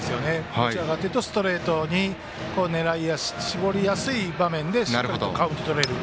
どちらかというとストレートに狙いを絞りやすい場面でしっかりとカウントをとれる。